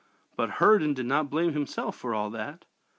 But Herndon did not blame himself for all that.